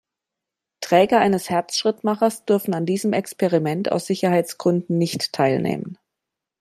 Träger eines Herzschrittmachers dürfen an diesem Experiment aus Sicherheitsgründen nicht teilnehmen.